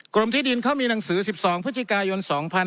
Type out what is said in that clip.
ที่ดินเขามีหนังสือ๑๒พฤศจิกายน๒๕๕๙